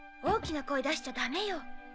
大きな声出しちゃダメよ。